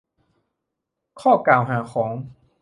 ข้อกล่าวหาของ